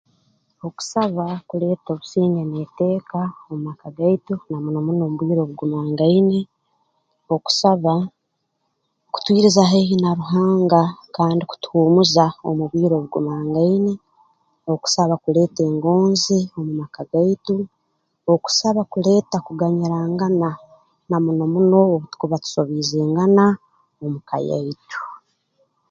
Okusaba kuleeta obusinge n'eteeka mu maka gaitu na muno muno omu bwire obugumangaine okusaba kutwiriza haihi na Ruhanga kandi kutuhuumuza omu bwire obugumangaine okusaba kuleeta engonzi omu maka gaitu okusaba kuleeta kuganyirangana na muno muno obu tukuba tusoobiizengana omu ka yaitu